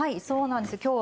そうなんですよ。